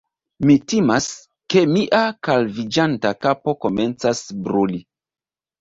Mi timas, ke mia kalviĝanta kapo komencas bruli